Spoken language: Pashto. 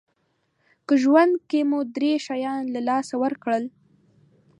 که ژوند کې مو درې شیان له لاسه ورکړل